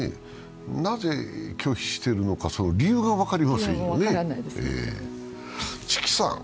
なぜ拒否しているのか、その理由が分かりませんよね。